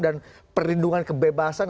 dan perlindungan kebebasan